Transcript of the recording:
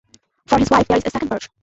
For his wife there is a second barge.